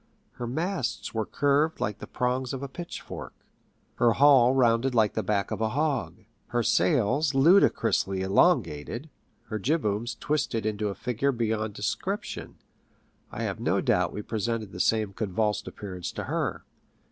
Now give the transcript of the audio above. Her masts were curved like the prongs of a pitchfork; her huU rounded like the back of a hog; her sails ludicrously elongated; her jibbooms twisted into a figure beyond description. I have no doubt we presented the same convulsed appearance to her.